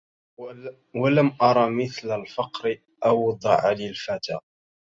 ولم أر مثل الفقر أوضع للفتى